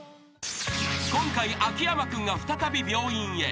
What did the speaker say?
［今回秋山君が再び病院へ］